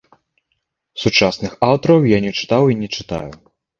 Сучасных аўтараў я не чытаў і не чытаю.